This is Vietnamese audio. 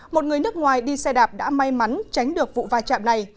một người nước ngoài đi xe đạp đã may mắn tránh được vụ vai trạm này